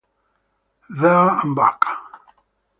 There and Back